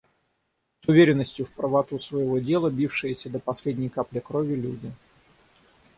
С уверенностью в правоту своего дела, бившиеся до последней капли крови люди.